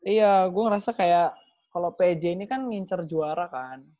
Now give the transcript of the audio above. iya gue ngerasa kayak kalau pj ini kan ngincer juara kan